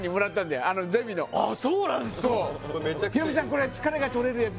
「これ疲れが取れるやつです」